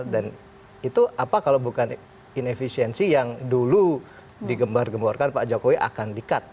dan itu apa kalau bukan inefisiensi yang dulu digembar gemborkan pak jokowi akan di cut